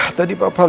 ya tadi papa lihat